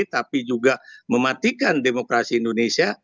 tapi juga mematikan demokrasi indonesia